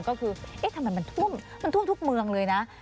ก็คือทำไมมันท่วมทุกเมืองเลยนะ